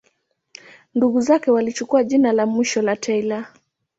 Ndugu zake walichukua jina la mwisho la Taylor.